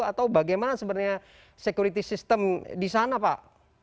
atau bagaimana sebenarnya security system di sana pak